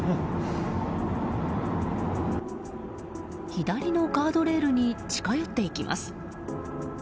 左のガードレールに近寄っていきます。